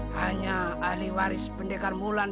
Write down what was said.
hanya ahli waris pendekar mulan